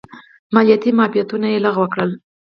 مالیاتي معافیتونه یې لغوه کړل.